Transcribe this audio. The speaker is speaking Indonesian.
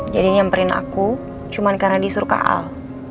jadi nyamperin aku cuman karena disuruh kak al